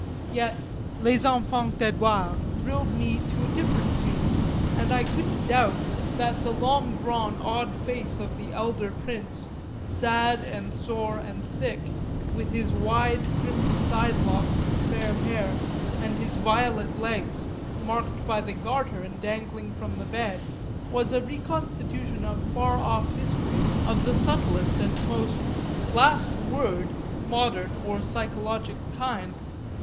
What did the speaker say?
Yet Les Enfants d'Edouard thrilled me to a different tune, and I couldn't doubt that the long drawn odd face of the elder prince, sad and sore and sick, with his wide crimped side locks of fair hair and his violet legs marked by the Garter and dangling from the bed, was a reconstitution of far off history of the subtlest and most "last word" modern or psychologic kind.